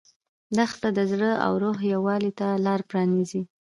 دښته د زړه او روح یووالي ته لاره پرانیزي.